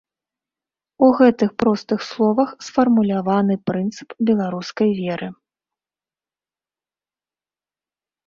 У гэтых простых словах сфармуляваны прынцып беларускай веры.